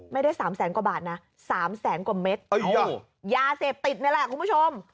ไม่ได้๓แสนกว่าบาทนะ๓แสนกว่าเม็ดยาเสพติดนี่แหละคุณผู้ชม